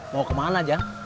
mau kemana jang